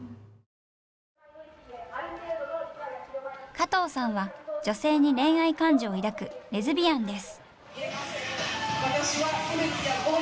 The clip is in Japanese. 加藤さんは女性に恋愛感情を抱くレズビアンです。